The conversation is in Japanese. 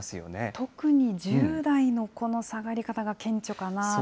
特に１０代のこの下がり方が、顕著かなと。